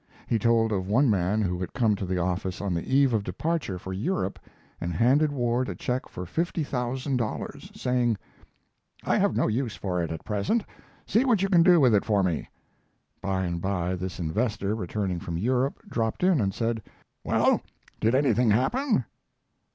He told of one man who had come to the office on the eve of departure for Europe and handed Ward a check for fifty thousand dollars, saying: "I have no use for it at present. See what you can do with it for me." By and by this investor, returning from Europe, dropped in and said: "Well, did anything happen?"